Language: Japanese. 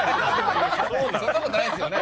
そんなことないですよね。